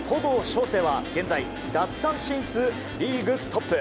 翔征は現在、奪三振数リーグトップ。